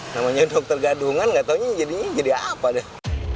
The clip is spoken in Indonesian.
dokter gadungan nggak taunya ini jadi apa deh